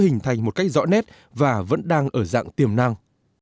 hình thành một cách rõ nét và vẫn đang ở dạng tiềm năng